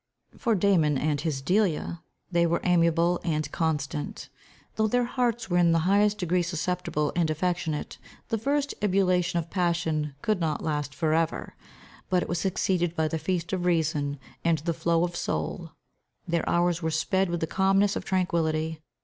For Damon and his Delia, they were amiable, and constant. Though their hearts were in the highest degree susceptible and affectionate, the first ebullition of passion could not last for ever. But it was succeeded by the feast of reason, and the flow of soul. Their hours were sped with the calmness of tranquility.